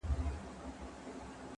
هغه څوک چي کتاب ليکي پوهه زياتوي؟